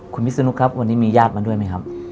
คุณวิศนุครับวันนี้มีญาติมาด้วยไหมครับ